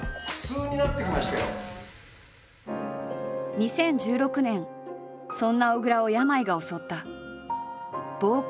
２０１６年そんな小倉を病が襲った。